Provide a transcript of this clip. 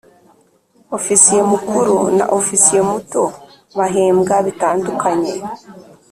Ofisiye mukuru na Ofisiye muto bahembwa bitandukanye.